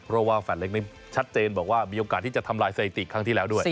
เพราะว่าแฝดเล็กนี่ชัดเจนบอกว่ามีโอกาสที่จะทำลายสถิติครั้งที่แล้วด้วย